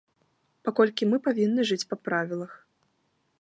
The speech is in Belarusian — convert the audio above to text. Паколькі мы павінны жыць па правілах.